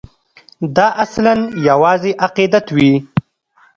دا اصلاً یوازې عقیدت وي.